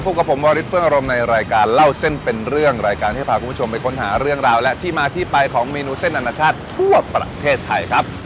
กับผมวาริสเฟื้องอารมณ์ในรายการเล่าเส้นเป็นเรื่องรายการที่พาคุณผู้ชมไปค้นหาเรื่องราวและที่มาที่ไปของเมนูเส้นอนาชาติทั่วประเทศไทยครับ